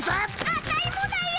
アタイもだよ。